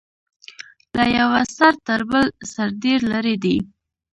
له یوه سر تر بل سر ډیر لرې دی.